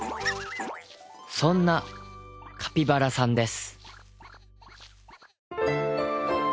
そんなカピバラさんです